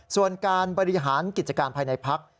ส่วนการบริหารกิจการภายในพัก